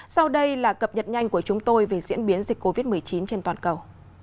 sau đây là cập nhật nhanh của chúng tôi về diễn biến dịch covid một mươi chín trên toàn cầu